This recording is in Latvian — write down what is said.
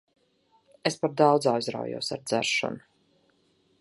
Es par daudz aizraujos ar dzeršanu.